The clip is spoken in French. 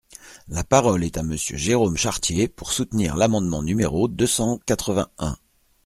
La parole est à Monsieur Jérôme Chartier, pour soutenir l’amendement numéro deux cent quatre-vingt-un.